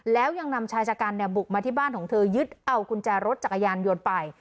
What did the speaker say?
แล้วยังนำชายจากการแนวบุ๊กมาที่บ้านของเธอยึดเอากุญจารถจักรยานโยนไป